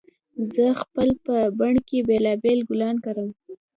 زه خپل په بڼ کې بېلابېل ګلان کرم